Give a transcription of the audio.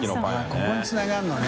ここにつながるのね。